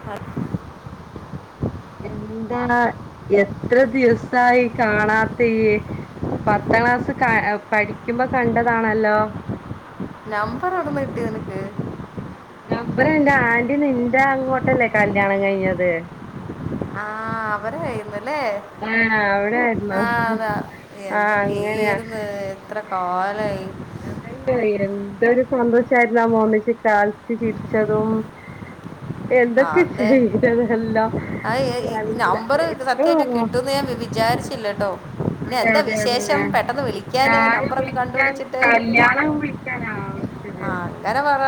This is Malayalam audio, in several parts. [unintelligible] എന്താണ് എത്ര ദിവസായി കാണാത്തയ്യ് പത്താം ക്ലാസ് പഠിക്കുമ്പോ കണ്ടതാണല്ലോ. നമ്പർ എവ്ട്ന്ന് കിട്ടി നിനക്ക്? നമ്പർ എന്റെ ആന്റി നിന്റെ അങ്ങോട്ടല്ലേ കല്യാണം കഴിഞ്ഞത്. അഹ് അവരെ കയ്യിന്നല്ലേ ആഹ് അവിടായിരുന്നോ ആഹ് അതെ ആഹ് അങ്ങനെയാ എന്തൊക്കേര്ന്ന്. എത്ര കാലായി അതന്നെ എന്തൊരു സന്തോഷായിരുന്നു നമ്മള് ഒന്നിച്ച് കളിച്ചു ചിരിച്ചതും. ആ, എന്തൊക്കെ അതെ ചെയ്തതല്ല ആ നല്ല ഇപ്പൊ വിചാരിച്ചില്ലട്ടൊ. അതെ അതെ അതെ വിളിക്കാൻ ഞാൻ നമ്പറൊക്കെ വിളിക്കാൻ കണ്ടുപിടിച്ചിട്ട് കല്യണം വിളിക്കാനാ വിളിച്ചത് ആഹ് അങ്ങനെ പറ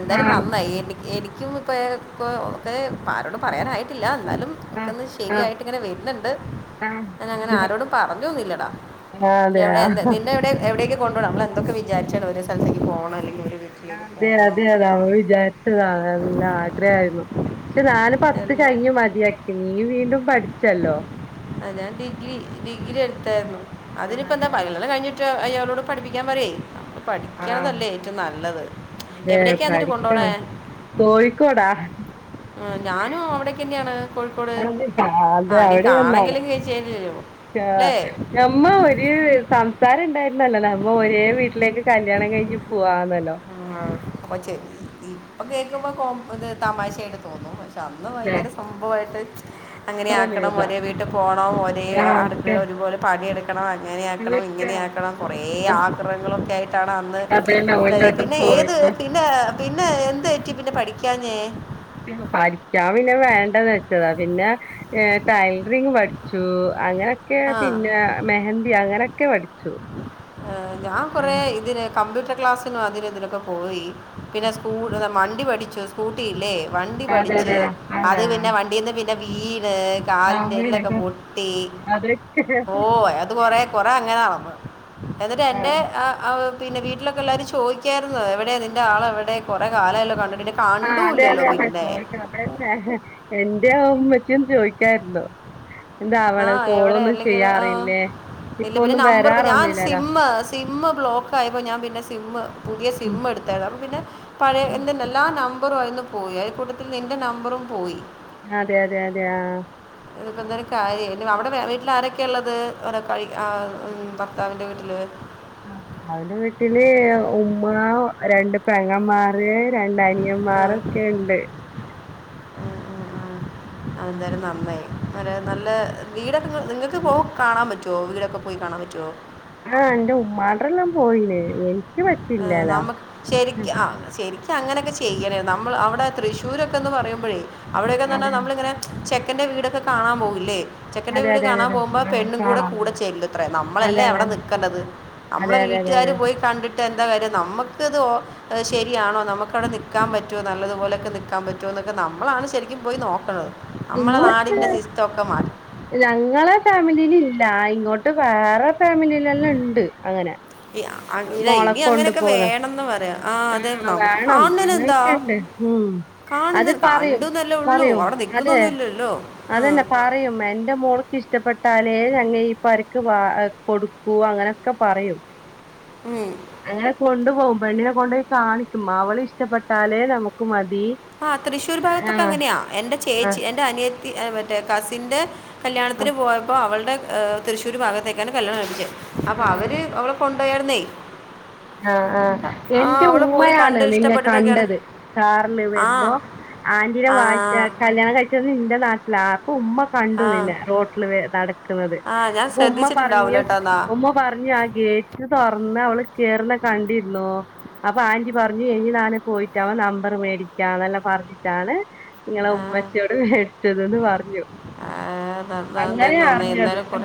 എന്തായാലും ആഹ് നന്നായി എനിക്ക് എനിക്കും ഇപ്പോ ഒക്കെ ക്കേ ആരോടും പറയാനായിട്ടില്ല എന്നാലും. ആഹ് ഒക്കൊന്ന് ആഹ് ശെരിയായിട്ട് ഇങ്ങനെ വരുന്നുണ്ട് ആഹ് ഞാൻ അങ്ങനെ ആരോടും പറഞ്ഞോന്നുംല്ല്യടാ. ആഹ് അതെയോ എവിടെയൊക്ക കൊണ്ട് പോണം നമ്മൾ എന്തൊക്കെ വിചാരിച്ചാണ് ഒരു സ്ഥലത്തെക്ക് ഫോണോ അല്ലെങ്കിൽ വീട്ടിലേക്ക് അതെ പോകണം അതെ അതാ അവ വിചാരിച്ചതാ എല്ലാം ആഗ്രഹായിരുന്നു. പക്ഷെ ഞാന് പത്ത് എല്ലാം കഴിഞ്ഞു മതിയാക്കി നീ വീണ്ടും പഠിച്ചല്ലോ അതെ ഞാൻ ഡിഗ്രി ഡിഗ്രി എടുത്തായിരുന്നു അതിനിപ്പോ അതെ എന്താ അതെ ഫൈനൽ ഇയർ കഴിഞ്ഞി ട്ട് അയാളോട് പഠിപ്പിക്കാൻ പറയ് ആഹ് പഠിക്കണതല്ലേ ഏറ്റവും നല്ലത് അതെ എവിടേക്ക എന്നിട്ട് കൊണ്ടോണെ? പഠിക്കണം കോഴിക്കോടാ. ആഹ് ഞാനും അവിടേക്കെന്നെയാണ്. [unintelligible] അതെ അവിടെ തന്ന കാണെങ്കിലും കഴിച്ചല്ലോ ആ അല്ലേ ഞമ്മ നമ്മള് ഒരു സംസാരം ഉണ്ടായിരുന്നല്ലോ നമ്മ ഒരേ വീട്ടിലേക്ക് കല്യാണം കഴിഞ്ഞ് പോവാന്നല്ലോ. ആഹ് [unintelligible] ഇപ്പോ കേൾക്കുമ്പോ കോ ഇത് തമാശയായിട്ട് തോന്നും അന്ന് അതെ ഭയങ്കര സംഭവായിട്ട്. അങ്ങനെയാക്കണം ഒരേ വീട്ടിൽ പോണം ഒരേ അടുക്കളെല് ഒരുപോലെ പണിയെടുക്ക ക്കണം അങ്ങനെയാക്കണം ഇങ്ങനെയക്കണം കൊറേ ആഗ്രഹങ്ങളൊക്കെ ആയിട്ടാണ് അന്ന് അതെന്നെ ഓന്റെ [unintelligible] ഒപ്പം പോയ ഏത് പിന്നെ പിന്നെ എന്ത് പറ്റി പിന്നെ പഠിക്കാഞ്ഞ? പഠിക്കാൻ പിന്നെ വേണ്ടന്ന് വെച്ചതാ പിന്നെ ഏ ടൈലറിങ് പഠിച്ചു അങ്ങനെയൊക്കെ ആ പിന്നെ മെഹന്തി അങ്ങനൊക്കെ പഠിച്ചു. ഞാൻ കോറെ ഉം ഇതിന് കമ്പ്യൂട്ടർ ക്ലാസിനും അതിനും ഇതിനൊക്കെ പോയി പിന്നെ സ്കൂ വണ്ടി പഠിച്ചു സ്കൂട്ടി ഇല്ലേ വണ്ടി അതെ പഠിച്ച് അതെ അതെ അത് പിന്നെ വണ്ടീന്ന് പിന്നെ വീണ് കാലിന്റെ എല്ലൊക്കെ അങ്ങനൊക്കെ പൊട്ടി അതൊക്കെ ഓ അത് കോറെ കൊറെ അങ്ങനെ നടന്ന് എന്നിട്ട് ആഹ്. എന്റെ ആ പിന്നെ വീട്ടിലൊക്കെ എല്ലാരും ചോദിക്കായിരുന്ന് എവിടെ നിന്റെ ആളെവിടെ കോറെ കാലം ആയ ലോ കണ്ടിട്ട് പിന്നെ ആ അതെ കണ്ടൂല്ലല്ലോ അതെ അതെ പിന്നെ. ചോദിക്ക എന്റെ ഉമ്മച്ചിയും ചോയിക്കായിരുന്നു. എന്താ അവള് ആഹ് എവിടെ കോളൊന്നും അല്ലെങ്കിൽ ആഹ് ചെയ്യാറില്ലേ ഇല്ല ഇപ്പൊ പിന്നെ ഒന്നും നമ്പർ ഞാൻ വരാറൊന്നില്ലല്ലോ സിമ് സിമ് ബ്ലോക്ക് ആയിപ്പോ ഞാൻ പിന്നെ സിമ് പുതിയ സിമ്മ്എടുത്തായിരുന്നു അപ്പ പിന്നെ പഴയെ എന്ത് ണ്ടായാലും എല്ലാ നമ്പറും ആയിന്ന് പോയി അതി കൂട്ടത്തിൽ നിന്റെ നമ്പറും പോയി അതെ അതെ അതെ ആഹ് ഇതിപ്പോ എന്തര് കാര്യ അവിടെ വീട്ടിൽ ആരൊക്കെ ഉള്ളത് ആഹ് ഉം ഭർത്താവിന്റെ വീട്ടില് ഭർത്താവിന്റെ വീട്ടില് ഉമ്മ രണ്ട് പെങ്ങമാ ര് രണ്ടഅനിയൻ മാരൊക്കെ ഇണ്ട് അഎന്തായാലും നന്നായി ഒര് ഉം നല്ല വീടൊക്കെ നിങ്ങക്ക് പോ കാണാൻ പറ്റോ വീടൊക്കെ പോയി കാണാപറ്റോ ആഹ് എന്റെ ഉമ്മാട്രല്ലാം പോയിന് എ നമ്മക്ക് ശെരിക്ക് ആഹ് ശെരി ക്ക് അങ്ങനൊക്കെ ചെയ്യലേ നമ്മൾ അവടെ തൃശൂരൊക്കെന്ന് പറയുമ്പഴേ അവടെയൊക്കേന്ന് പറഞ്ഞാ നമ്മളിങ്ങനെ ചെക്കന്റെ വീടൊക്കെ കാണാൻ പോകൂ ല്ലെ ച്ചെക്കന്റെ അതെ അതെ വീട് അതെ അതെ കാണാൻ അതെ പോകുമ്പോ ആ പെണ്ണും കൂടെ കാണാൻ പോകും കൂടചെല്ലത്രേ അതെ നമ്മളല്ലേ അതെ അവിടെ നിക്കണ്ടത് അതെ അമ്മളെ അതെ അതെ വീട്ടുകാര് അതെ പോയി കണ്ടിട്ട് എന്താ കാര്യം നമ്മക്കിത് ഓ അഅ് ശെരിയാണോ നമുക്കവിടെ നിക്കാൻ പറ്റോ നല്ലതുപോലെയൊക്കെ നിൽക്കാൻ പറ്റോ എന്നൊക്കെ നമ്മളാണ് ശെരിക്കും പോയി നോക്കണ്ടത് ഇങ്ങോട്ട് ഞങ്ങളെ ഫാമിലീലില്ല ഇങ്ങോട്ട് വേറെ ഫാമിലീലെല്ലാം ഇണ്ട് അങ്ങനെ ഈ അങ്ങനെ മോളെ ഇനി കൊണ്ട് അങ്ങനെയൊക്കെ പോന്ന് വേണമെന്ന് പറയാം ആ അതെ ആഹ് നമുക്ക് വേണം കാണുന്നതിനെന്താ അങ്ങനെയൊക്കെണ്ട് ഉം അത് കാണുന്ന പറയും കണ്ടു എന്നല്ലേ ഉള്ളൂ പറയും അവിടെ അതെ നിൽക്കുന്നൊന്നുമില്ലല്ലോ ഉം. അതന്നെ പ പറയും എന്റെ മോൾക്ക് ഇഷ്ടപ്പെട്ടാലേ ഞങ്ങ ഈ പരക്ക് വ കൊടുക്കൂ അങ്ങനെയൊക്കെ പറയും ഉം അങ്ങനെ കൊണ്ടു പോകും പെണ്ണിനെ കൊണ്ടോയി കാണിക്കും അവളിഷ്ടപ്പെട്ടാലേ നമുക്ക് മതി ആഹ് തൃശ്ശൂർ ഭാഗത്തൊക്കെ ആഹ് അങ്ങനെയാ എന്റെ ആഹ് ചേച്ചി എന്റെ അനിയത്തി മറ്റേ കസിന്റെ കല്യാണത്തിന് പോയപ്പോ അവൾടെ തൃശ്ശൂർ ഭാഗത്തേക്കാണ് കല്യാണം കഴിപ്പിച്ചേ അപ്പോ ആഹ് അവര് അവളെ കൊണ്ടോയാരുന്നേ ആഹ് ആഹ് എന്റെ അവൾ പോയി ഉമ്മയാണ് കണ്ട് നിന്നെ ഇഷ്ടപ്പെട്ടിട്ടൊക്കെയാണ് കണ്ടത് കാറില് ആ വരുമ്പോ ആന്റീടെ ആ വാ ഏ കല്യാണം കഴിച്ചത് ഇൻ്റെ നാട്ടിലാ അപ്പൊ ഉമ്മ ആ കണ്ടുന്നിന്നെ റോട്ടിൽ നടക്കുന്നത് ആ ഞാൻ അപ്പൊ ഉമ്മ പറഞ്ഞു ശ്രദ്ധിച്ചിട്ടുണ്ടാവില്ല കേട്ടോ എന്നാ ഉമ്മ പറഞ്ഞു ആ ഗേറ്റ് തൊറന്നാ അവള് കേറുന്ന കണ്ടിര്ന്നോ അപ്പൊ ആന്റി പറഞ്ഞു എനി ഞാന് പോയിട്ട് അവ നമ്പർ മേടിക്കാന്നെല്ലാം പറഞ്ഞിട്ടാണ് ഇങ്ങളെ ഉമ്മച്ചിയോട് മേടിച്ചത് ന്ന് പറഞ്ഞു ആഹ് അങ്ങനെ ഏന്തായാലും നന്നായി അറിഞ്ഞത് എന്തായാലും കൊറ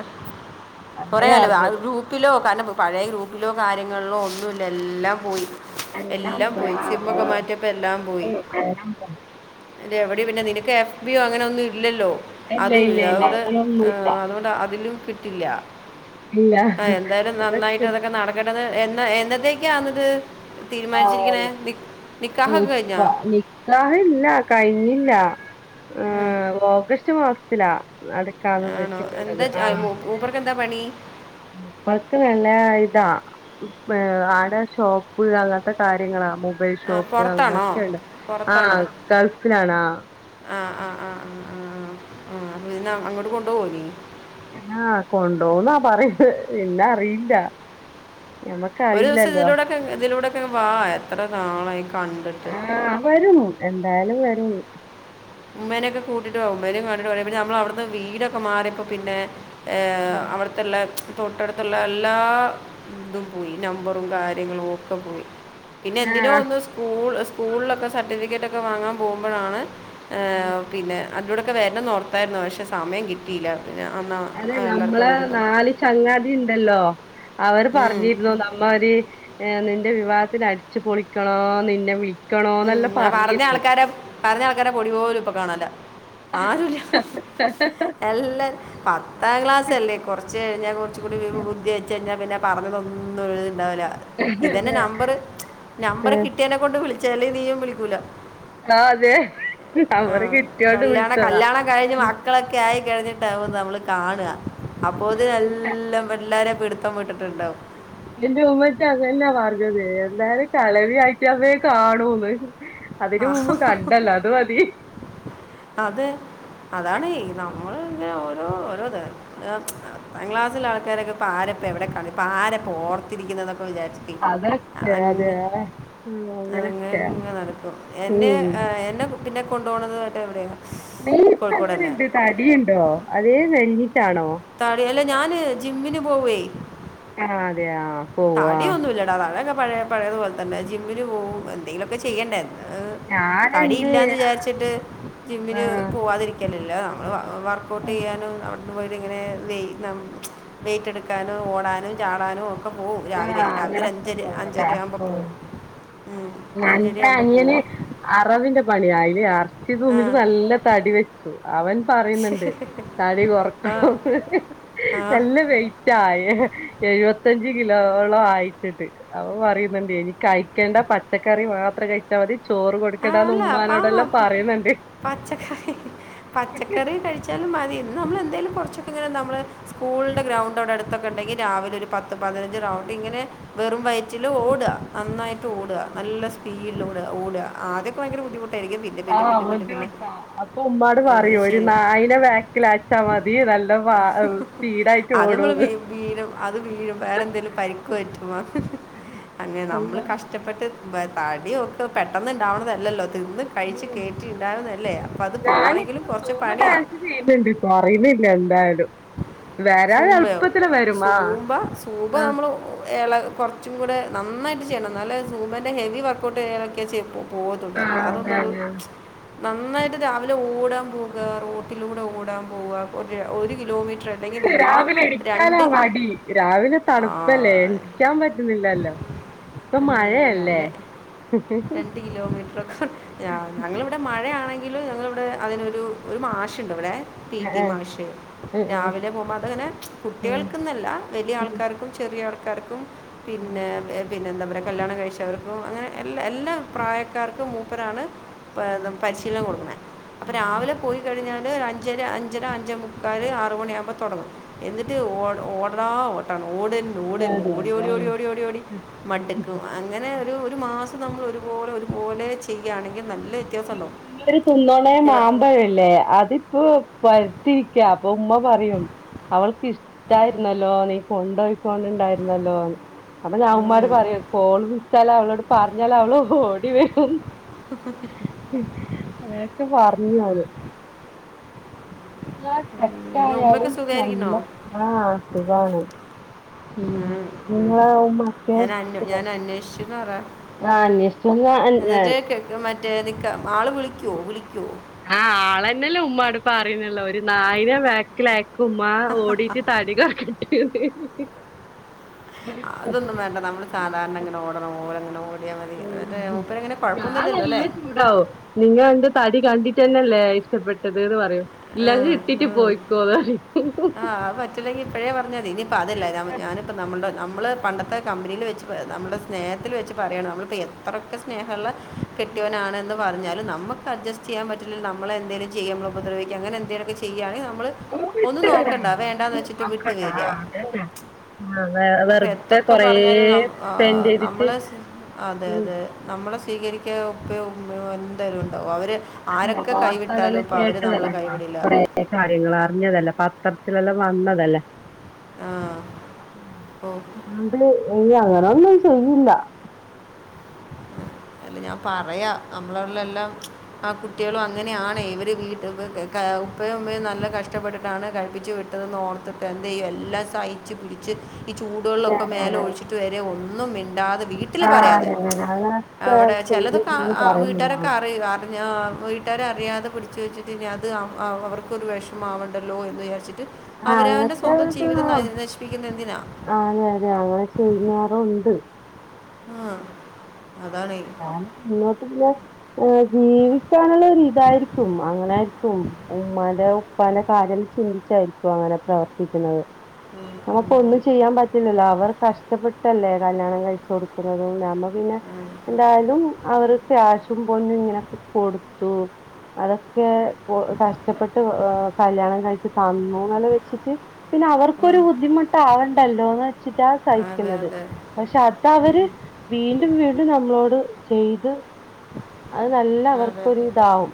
കൊറേ അങ്ങനെ കാലവ ഗ്രൂ അറിഞ്ഞത് ഗ്രൂപ്പിലോ കാരണം പഴയ ഗ്രൂപ്പിലോ കാര്യങ്ങളിലോ ഒന്നൂല്ല എല്ലാം പോയി എല്ലാം എല്ലം പോയ പോയി സിമൊക്കെ മാറ്റിയപ്പോ എല്ലാം പോയി എല്ലാം പോയി ഇതവടെയ പിന്നെ നിനക്ക് എഫ് ബി ഒ അങ്ങനൊന്നും ഇല്ലല്ലോ ഇല്ല ഇല്ല അതൂല്ല ഇല്ല അവടെ ഏ അങ്ങനൊന്നുല്ല അതോണ്ട് അതിലും കിട്ടില്ല. ഇല്ല ആഹ് എന്തായാലും നന്നായിട്ട് അതൊക്കെ നട ക്കട്ടെ എന്ന എന്നത്തേക്കാന്ന്ത് തീരുമാനിച്ചിരിക്ക്ണേ ആഹ് നിക് നിക്കാഹൊക്കെ ഇപ്പ കഴിഞ്ഞോ? നിക്കാഹ് ഇല്ല കഴിഞ്ഞില്ല ഏ ഓഗസ്റ്റ് മാസത്തിലാ നട ക്കാള് വെച്ചിട്ട്ള്ളത് ആഹ് മൂപർക്കെന്താ പണി? വർക്ക്‌ തെനെ ഇതാ പ് ഏ ആടെ ഷോപ്പ് അങ്ങൻത്തെ കാര്യങ്ങളാ മൂ മൊബൈൽ ആ ഷോപ്പ് പുറത്താണോ അങ്ങനൊക്കേണ് ആഹ് ഗൾഫിലാണാ ആഹ് ആഹ് ആഹ് ആഹ് ആഹ് ന്നിനെ അങ്ങോട്ട് കൊണ്ടോവോ ഇനി. ആഹ് കൊണ്ടോവുന്നാ പറയിണ് എന്നാ അറിയില്ല ഞമ്മക്ക് ഒരൂദിവസം അറിയില്ലല്ലോ ഇതിലൂടെക്കെങ്ങ് ഇതിലൂടെക്കെങ്ങ് വാ എത്ര നാളായി കണ്ട്ട്ട് ആഹ് വരും എന്തായാലും വരും. ഉമ്മേനൊക്കെ കൂട്ടിട്ട് വാ ഉമ്മേനിം കാണ്ടിട്ട് കൊറേ പിന്നെ നമ്മള് അവിടുന്ന് വീടൊക്കെ മാറിയപ്പോ പിനെ ഏഹ് അവിട്ത്ത്ള്ള തൊട്ടട്ത്ത്ള്ളെ എല്ലാ തും പോയി നമ്പറും കാര്യങ്ങളും ഒക്കെ പോയി. പിന്നെ എന്തിനോ ആഹ് ഒന്ന് സ്കൂൾ സ്കൂളിലൊക്കെ സർട്ടിഫിക്കറ്റൊക്കെ വാങ്ങാൻ പോകുമ്പഴാണ്. ഏഹ് പിന്നെ അതിലൂടെക്കെ വെര്ണം ന്നോർത്തായിരുന്നു പക്ഷേ സമയം കിട്ടിയില്ല ഞാ അന്നാ അതെ എല്ലാർക്കും നമ്മളെ അവ്ട്ന്ന് നാല് ചങ്ങാതി ഇണ്ടല്ലോ അവര് ഉം. പറഞ്ഞിര്ന്നു ന്നമ്മോരീ- ഏ നിന്റെ വിവാഹത്തിന് അടിച്ചു പൊളിക്കണോ ന്നിനെ വിളി- ഉം ന്ന പറഞ്ഞ ആൾക്കാരൊ- പറഞ്ഞ ആൾക്കാരെ പൊടി പോലും ഇപ്പകാണാല്ല ആരൂല്ല ഹ് എല്ലൻ പത്താം ക്ലാസ്സല്ലേ കൊറച്ച് കഴിഞ്ഞാ കൊറച്ചുംകൂടി വിയൂ ബുദ്ധി വെച്ച് കഴിഞ്ഞാ പിനെ പറഞ്ഞതൊന്നും ഇത് ഇണ്ടാവില ഇതെനെ അതെ നമ്പറ് നമ്പറ്കിട്ട്യേനെ കൊണ്ട് വിളി- ചെലവിയും വിളിക്കൂല ന്നാ അതെ നമ്പറ് ഉം, കിട്ട്യോണ്ട് കല്യാണം വിളിച്ചതാ കല്യാണം കഴിഞ്ഞ് മക്കളൊക്കെ ആയി കഴിഞ്ഞിട്ടാവും ന്നമ്മള് കാണ്ആ അപ്പോത്തിനും എല്ലാം വെല്ലാരേം പിടിത്തം വിട്ടിട്ടുണ്ടാവും. എന്റെ ഉമ്മച്ചി അതല്ലാ പറഞ്ഞത് എന്തായാലും കെളവി ഐറ്റമേ കാണൂന്ന്. അതിന് മുമ്പ് കണ്ടല്ലോ അത് മതി. അതെ അതാണെയ് നമ്മള്ങ്ങനെ ഓരോ ഓരോത- പത്താം ക്ലാസില ആൾക്കാരൊക്കെ ഏ ഏ മ് പത്താം ക്ലാസ്സിലെ ആൾക്കാരെക്കെ ഇപ്പെ ആരെപ്പഎവിടെ കാണ് ഇപ്പൊ ആരപ്പൊ ഓർത്തിരിക്കുന്ന് ന്നൊക്കെ വിജാരി- അതൊക്കെ അതെ അതങ്ങ് ഉം അങ്ങനൊക്കെ അതങ്ങനെങ്ങനെ നടക്കും എന്റെ ഉം എ എന്റെ കു- പിനെ കൊണ്ടോണത് വെരെ അവിടെയാ നീയിപ്പെ എങ്ങന്ണ്ട് തടിയിണ്ടോ അതേ മെലിഞ്ഞിട്ടാണോ? തടി എല്ല ഞാന് ജിമ്മിന് പോവേയ് ആ അതെയാ തടിയൊന്നുല്ലെടാ അതൊക്കെ പഴേ പഴേത്പോലെ തനെ ജിമ്മിന് പോവും എന്തെങ്കിലൊക്കെ ചെയ്യെണ്ടേ. എ ഞാനെന്റെ തടിയില്ലാന്ന് വിചാരിച്ചിട്ട് ആ ജിമ്മിന് പോവാതിരിക്ക- ഇല്ലല്ലാ നമ്മള് വ വർ‍കൗട്ടെയ്യാനും അവി- ഇവര് ഇങ്ങനെ വെയ് ന്നമ് ച്ച് വെയ്റ്റെടുക്കാനോ ഓടാനും ചാടാനും ഒ- ക്കെ പോവും ആ രാവിലെ രാവിലെ അങ്ങനൊക്കെ ഒരഞ്ചരെ പോവുല്ലേ അഞ്ചരരെ ആവുമ്പൊ ഉം പോവും. ഉം എന്റെ അഞ്ചരെയാവുമ്പൊ അനിയന് പോവും അറവിന്റെ പണി അയ്ല് അർച്ചി ആ തിന്ന്ട്ട് നല്ല തടി വെച്ചു അവൻ. പറയുന്നുണ്ട് തടി ആ കൊറക്കണം ആ ണെന്ന് എല്ലാം വ വെയിട്ടാണ് എഴുപത്തഞ്ച് എഴുവത്തഞ്ചു കിലോളം ആയിട്ടുണ്ട് അ പറയുന്നുണ്ട് എനി കഴിക്കേണ്ട പച്ചക്കറി മാത്രം കഴി അവന് ചോറ് ആ കൊടുക്കണ്ടാന്ന് അല്ല ഉമ്മാനോടെല്ലാം പാവം പറയുന്നുണ്ട് പച്ചക്കറി പച്ചക്കറി കഴിചാൽ ല്‌ മതി നമ്മള എന്തേലും കുറച്ചൊക്കെ നമ്മള് സ്കൂളിൻ്റെ ഗ്രൗണ്ട് അടെടുത്തൊക്കെ ഉണ്ടെങ്കിൽ രാവിലെ നമ്മുള്. പത്ത് പതിനഞ്ച് റൗണ്ട് ഇങ്ങനെ വെറും വയറ്റിൽ ഓടുക നന്നായിട്ട് ഓടുക നല്ല സ്പീഡിൽ ഓട ഓടുക ആ ആദ്യമൊക്കെ ഭയങ്കര ബുദ്ധമുട്ടായിരിക്കും. ആഹ് അപ്പൊ ഉമ്മാട് പറയൂ ഒരു ശരി നായനെ ബാക്കിൽ അയച്ചാ മതി നല്ല ആ സ്പീഡ് അത് നമ്മള് വീണും അത് വീണും വേറെ എന്തേങ്കിലും പരിക്ക് പറ്റുമോ അങ്ങനെ നമ്മള് കഷ്ടപ്പെട്ട് തടിയൊക്കെ ഒക്ക് പെട്ടന്ന് ഇണ്ടാവണതല്ലല്ലോ തിന്ന് കഴിച്ച് കേയറ്റിട്ടുണ്ടാവുന്നല്ലേ അപ്പം അത് പോകണമെങ്കിലും കുറച്ച് പണിയാ ഈ പെണ്ണ്. പറയുന്നില്ല എന്തായാലും വരാന് സൂമ്പയോ എളുപ്പത്തിൽ വരും. സൂമ്പ സൂമ്പ ആഹ നമ്മൾ ഇള കുറച്ചും കൂടെ നന്നായിട്ട് ചെയ്യണം നല്ല സൂമേൻ്റെ ഹെവി വർക്കഔട്ട് ഇലക്കെ ചെയ്പ്പോ പോതല്ലല്ല അതൊന്നരു നന്നായിട്ട് രാവിലെ ഓടാൻ പോകുക റോട്ടിലൂടെ ഓടാൻ പോവുക ഒരു ഒരു കിലോമീറ്റർ അല്ലെങ്കിൽ. മിനിമം രാവിലെ എണ്ണീക്കാനാ രണ്ട് മടി രാവിലെ ആ തണുപ്പല്ലേ എണിക്കാൻ പറ്റുന്നില്ലല്ലോ. ഇപ്പൊ മഴയല്ലേ ഞവടെ രണ്ട് കിലോമീറ്ററൊക്കെ ഞ ഇവിടെ മഴയാണെങ്കിലും ഞങ്ങളിവിടെ അതിനൊരു ഒരു മാശുണ്ട് ഇവിടെ. പിടി ആഹ് മാഷ് ഉം രാവിലെ പോകുമ്പോ അതങ്ങനെ ഉം കുട്ടികൾക്ക്ന്നല്ല. വലിയ ഉം ഉം ആൾക്കാർ ആൾക്കാർക്കും ചെറിയ ആൾക്കാർക്കും. പിന്നെ പിന്നെ എന്താ പറയുക കല്യാണം കഴിച്ചവർക്കും അങ്ങനെ എല്ലാ എല്ലാ പ്രായക്കാർക്കും മൂപ്പരാണ്. പരിശീലനം കൊടുക്കണേ അപ്പൊ രാവിലെ പോയി കഴിഞ്ഞാല്. അഞ്ചര അഞ് അഞ്ചര അഞ്ചച് മുക്കാല് ആറ് മണിയാകുമ്പോൾ തുടങ്ങും. എന്നിട്ട് ഓ ഓടാ ഓട്ടാണ് ഓടനെ ഓട് തന്നെ അതെ ഓടി അതെ ഓടി ആ. ഓടി ഓടി ഓടി ഓടി മടുക്കും അങ്ങനെ ഒരു മാസം ഇ നമ്മൾ ഒരുപോലെ ഒരുപോലെ ചെയ്യുകയാണെങ്കിൽ നല്ലത്. മുന്ന ഒരു കുന്നോണയ മാമ്പഴല്ലേ അത് പഴുത്തിരിക്ക അപ്പൊ ഉമ്മ പറയും അവൾക്ക് ഇഷ്ടായിരുന്നല്ലോ നീ കൊണ്ട പോക്കണ്ടിണ്ടായിരുന്നല്ലോ അപ്പൊ ഞാൻ ഉമ്മാര് പറയാ കോള് വിച്ചാൽ അവളോട് പറഞ്ഞാൽ അവള് ഓടി വരും. [inaudible] അങ്ങനെയൊക്കെ പറഞ്ഞു ഓള്. ഉമ്മയൊക്കെ ആായാലും നല്ല സുഖമായിരിക്കണോ ആഹ അസുഖാണ് ഉം നിങ്ങളെ മൻ്റെ ഞാൻ ഇത് അന്വ ഇസെ ഞാൻ അന്വേഷിച്ചു എന്ന് പറ ആഹ അന്വേഷിച്ചു എന്ന് എന്നിട്ട് എ മറ്റേ നിക്ക ആള് വിളിക്കുവോ വിളിക്കുവോ. ആഹ് ആളന്നെല്ലേ ഉമ്മാ അട് പ്പറി റിയുന്നുല്ലോ ഒരു നായനെ ബാക്കില് അയക്കു ഉമ്മ ഓടിയിട്ട് തടി കുറയ്ക്കട്ടെ. അതൊന്നും വേണ്ട നമ്മള് സാധാരണ ഇങ്ങനെ ഓടണം പോലെ അങ്ങനെ ഓടി. ഉ ഞൻ അല്ലേ മെല്ലെ ചൂടാവും. നിങ്ങള് എന്റെ തടി കണ്ടിട്ട് തന്നെല്ലേ ഇഷ്ടപ്പെട്ടത് എന്ന് പറയും. ഇല്ലാ ആ ഇജിട്ടിറ്റ് പോയിക്കോ പറയൂ ആഹ് അത് പറ്റില്ലെങ്കി ഇപ്പഴേ പറഞ്ഞാ മതി ഇനിയിപ്പ അതില്ലെ ഞാ ഞാനിപ്പ നമ്മൾടെ നമ്മള് പണ്ടത്തെ കമ്പനിയില് വെച്ച് നമ്മടെ സ്നേഹത്തില് വെച്ച് പറയാണ് നമ്മളിപ്പോ എത്രൊക്കെ സ്നേഹള്ള കെട്ടിയോനാണ്ന്ന് പറഞ്ഞാലും നമ്മക്ക് അഡ്ജസ്റ്റ് ചെയ്യാൻ പറ്റില്ലെ നമ്മളെ എന്തെലും ചെയ്യുമ്പളോ ഉപദ്രവിക്കാ അങ്ങനെ എന്തെലും ഒക്കെ ചെയ്യാണെ നമ്മള് ഒന്നും നോക്കണ്ട വേണ്ടാന്ന് വെച്ചിട്ട് വിട്ട് നോക്കണ്ട വെരാ അതന്നെ ആഹ് വെ അപ്പൊ വെറുതെ എതൊക്കെ കൊറേ പറഞ്ഞാലും നമ് സ്പെൻഡ് ആഹ് ചെയ്തിട്ട് നമ്മള് സ് അതെ ഉം അതെ നമ്മളെ സ്വീകരിക്കാൻ ഉപ്പയോ ഉമ്മയോ എന്തായാലും ഉണ്ടാവും അവര് ആരൊക്കെ കൈവിട്ടാലും ഇപ്പോ അവര് നമ്മളെ കൈവിടില്ല കാര്യങ്ങള് അറിഞ്ഞതല്ലേ പത്രത്തിലെല്ലാം വന്നതല്ലേ ആ ഓ ഉം [unintelligible] എനി അങ്ങനൊന്നും ചെയ്യില്ലാ അല്ലാ ഞാൻ പറയാ നമ്മളവിടെള്ള എല്ലം ആ കുട്ട്യേളും അങ്ങനെയാണ് ഇവര് വീട് [unintelligible] ക ഉപ്പയും ഉമ്മയും നല്ല കഷ്ടപ്പെട്ടിട്ടാണ് കഴിപ്പിച്ച് വിട്ടതെന്ന് ഓർത്തിട്ട് എന്ത് ചെയ്യും എല്ലാ സഹി ച്ച് പിടിച്ച് ഈ ചൂടുവെള്ളൊക്കെ മേല് ഒഴിച്ചിട്ട് വരെ ഒന്നും മിണ്ടാതെ വീട് ആഹ് അതെയതെ അങ്ങനൊക്കെ ചെയ്ത് [unintelligible] പറയുന്ന് മോള് [unintelligible] വീട്ടാര് അറിയാതെ പിടിച്ച് വെച്ചിട്ട് ഇനി അത് അവ് അ അവർക്കൊരു വെഷ് മാവണ്ടല്ലോ എന്ന് വിചാരിച്ചിട്ട് ആഹ് അവരവന്റെ സ്വന്തം ജീവിതം ന നശിപ്പിക്കുന്നതെന്തിനാ ആഹ് അതെ അതെ അങ്ങനെ ചെയ്യുന്നോറു ഇണ്ട് ആഹ് അതാണെ മുന്നോട്ട് പിന്നെ ഏഹ് ജീവിക്കാനുള്ള ഒരിതായിരിക്കും അങ്ങനെ ഉമ്മാന്റെ ഉപ്പാന്റെ കാര്യെല്ലം ചിന്തിച്ചായിരിക്കും അങ്ങനെ പ്രവർത്തിക്കുന്നത് ഉം, ഉം, [unintelligible] ഒന്ന് ച് ചെയ്യാൻ പറ്റില്ലല്ലോ അവർ കഷ്ട്ടപ്പെട്ടല്ലേ കല്യാണം കഴിച്ച് കൊടുക്കുന്നതും നമ്മ പിന്നെ ഉം, എന്തായാലും അവര് ക്യാഷും പൊന്നും ഇങ്ങനൊക്കെ കൊടുത്തു അതൊക്കെ കൊ കഷ്ടപ്പെട്ട് ഏഹ് കല്യാണം കഴിച്ച് തന്നുന്നെല്ലം വെച്ചിട്ട് പിന്നെ അവർക്കൊരു ഉം. ബുദ്ധിമുട്ടാവണ്ടല്ലോന്ന് വെച്ചിട്ടാ അതെ സഹിക്കുന്നത് അതെ പക്ഷെ അതവര് ഉം. വീണ്ടും വീണ്ടും നമ്മളോട് ചെയ്ത് അത് നല്ല അതെ അവർക്കൊര് ഇതാവും.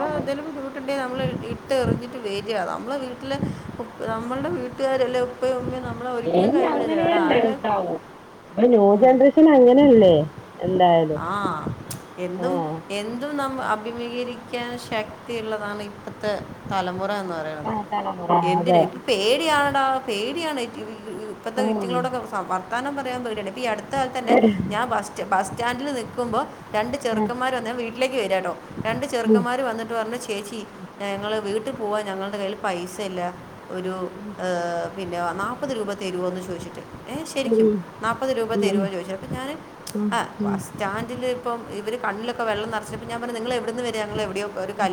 ആഹ്. എന്തേലും ബുദ്ധിമുട്ടുണ്ടെങ്കി നമ്മള് ഇ ഇട്ടെറിഞ്ഞിട്ട് വെരാ അമ്മളെ വീട്ടില് ഉപ് നമ്മൾടെ വീട്ടുകാരല്ലേ ഉ ഉപ്പയും ഉമ്മയും നമ്മളെ ഒരിക്കലും കൈവിടില്ലാ വേറെ ആര് ഇപ്പം ന്യൂ ജനറേഷൻ അങ്ങനയല്ലേ എന്തായാലും ആ എന്തും ആഹ്. എന്തും നമ്മ അഭിമുഖീകരിക്കാൻ ശക്തിയ്ള്ളതാണ് ഇപ്പത്തെ തലമുറ എന്ന് പറ ന്നത് ആഹ് തലമുറ അതെ എന്തിന് ഇപ്പൊ പേടിയാ പേടിയാണ് ഇറ്റ് ഇ ഈ ഇപ്പത്തെ ഉം ഇറ്റ്ങ്ങളോടൊക്കെ സ വർത്താനം പറയാൻ പേടിയാണ് ഇപ്പട് ത്തകാലെത്തെന്നെ ഞാൻ ബസ്റ്റാ ബസ് സ്റ്റാൻഡില് നിക്കുമ്പോ രണ്ട് ഉം ചെറുക്കന്മാര് വന്ന് ഞാൻ വീട്ടിലേക്ക് വെരാട്ടോ രണ്ട് ഉം ചെറുക്കന്മാര് വന്ന് ട്ട് പറഞ്ഞ് ചേച്ചി ഏഹ് ഞങ്ങള് വീട്ട് പോവാ ഞങ്ങൾടെ കൈയ്യില് പൈസ ഇല്ലാ. ഒരു ഏഹ് പിന്നെ നാപ്പത് രൂപ തെരുവോന്ന് ചോയിച്ചിട്ട്. ഏഹ് ശരിക്കും ഉം നാപ്പത് രൂപ ഉം തെരുവോന്ന് ചോയിച്ചു അപ്പം ഞാന് ഉം ആഹ് ഉം ബസ് സ്റ്റാൻഡില് ഇപ്പം ഇവര് കണ്ണിലൊക്കെ വെള്ളം നെറച്ചിട്ട് അപ്പം ഞാൻ പറഞ്ഞു നിങ്ങള് എവിട്ന്ന് വെരാ നിങ്ങള് എവിടെയോ ഒരു കല്യാണ